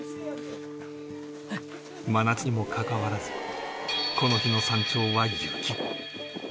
真夏にもかかわらずこの日の山頂は雪